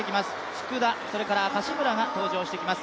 福田、それから柏村が登場してきます。